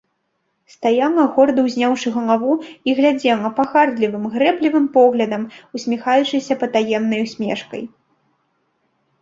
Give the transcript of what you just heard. Стаяла, горда ўзняўшы галаву, і глядзела пагардлівым, грэблівым поглядам, усміхаючыся патаемнай усмешкай.